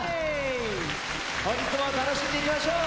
本日も楽しんでいきましょう！